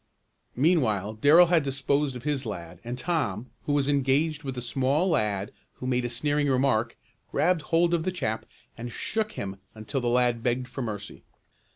Meanwhile Darrell had disposed of his lad, and Tom, who was engaged with a small lad who made a sneering remark, grabbed hold of the chap and shook him until the lad begged for mercy.